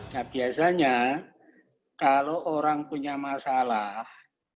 nah biasanya kalau orang punya masalah